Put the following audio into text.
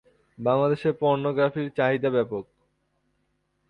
বাংলাদেশে পর্নোগ্রাফির চাহিদা ব্যাপক।